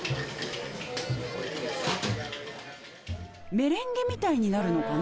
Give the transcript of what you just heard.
メレンゲみたいになるのかね。